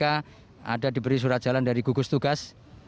ada diberi surat jalan dari gugus tugas